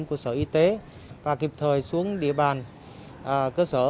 của sở y tế và kịp thời xuống địa bàn cơ sở